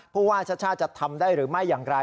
ผู้ว่าชาติชาติจะทำได้หรือไม่อย่างไร